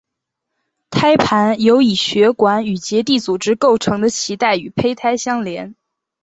胎盘由以血管与结缔组织构成的脐带与胚胎相连。